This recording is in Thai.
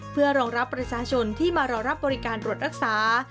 เพื่อรองรับประชาชนที่มารอรับบริการตรวจรักษา